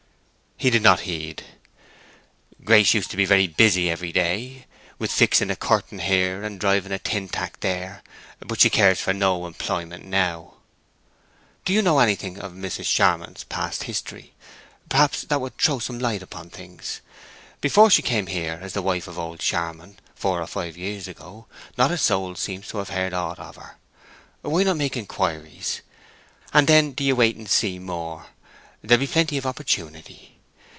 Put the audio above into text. He did not heed. "Grace used to be so busy every day, with fixing a curtain here and driving a tin tack there; but she cares for no employment now!" "Do you know anything of Mrs. Charmond's past history? Perhaps that would throw some light upon things. Before she came here as the wife of old Charmond four or five years ago, not a soul seems to have heard aught of her. Why not make inquiries? And then do ye wait and see more; there'll be plenty of opportunity.